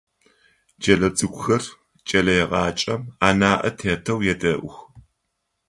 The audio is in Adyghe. Кӏэлэцӏыкӏухэр кӏэлэегъаджэм анаӏэ тетэу едэӏух.